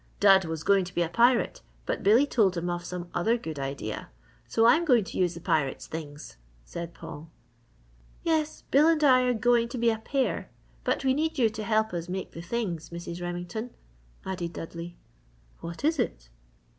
"Dud was going to be a pirate but Billy told him of some other good idea so I'm going to use the pirate's things," said Paul. "Yes, Bill and I are going to be a pair but we need you to help us make the things, Mrs. Remington," added Dudley. "What is it?"